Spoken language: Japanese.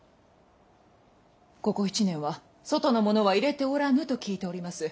ここ１年は外の者は入れておらぬと聞いております。